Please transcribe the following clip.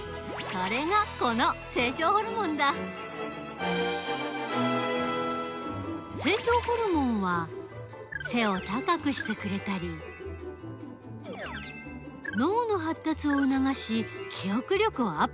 それがこの成長ホルモンだ成長ホルモンは背を高くしてくれたり脳のはったつをうながし記憶力をアップさせたりする。